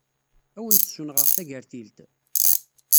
Ad awen-d-ssunɣeɣ tagertilt?